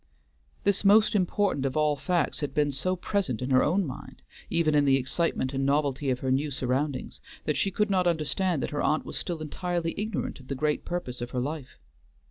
This most important of all facts had been so present to her own mind, even in the excitement and novelty of her new surroundings, that she could not understand that her aunt was still entirely ignorant of the great purpose of her life.